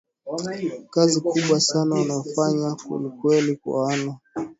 kazi kubwa sana wanayofanya Kwakweli wana hitaji pongezi kwani hakuna kitu kinaumiza kichwa kama